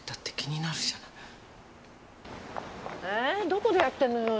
どこでやってんのよ？